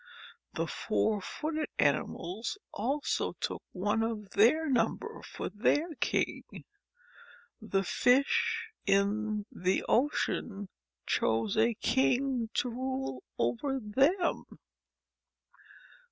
The four footed animals also took one of their number for their king. The fish in the ocean chose a king to rule over them.